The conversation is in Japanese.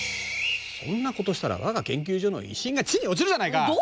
そんなことをしたらわが研究所の威信が地に落ちるじゃないか！